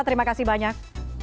terima kasih banyak